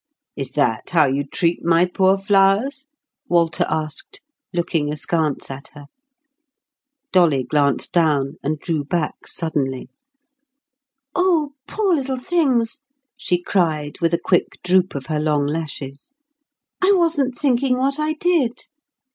"Is that how you treat my poor flowers?" Walter asked, looking askance at her. Dolly glanced down, and drew back suddenly. "Oh, poor little things!" she cried, with a quick droop of her long lashes. "I wasn't thinking what I did."